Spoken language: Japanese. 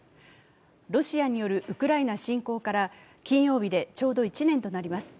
ロシアによるウクライナ侵攻から金曜日でちょうど１年となります。